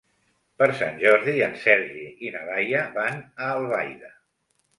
Per Sant Jordi en Sergi i na Laia van a Albaida.